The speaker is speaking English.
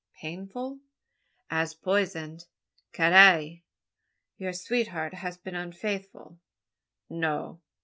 "Painful?" "As poison Carrai i i!" "Your sweetheart has been unfaithful?" "No."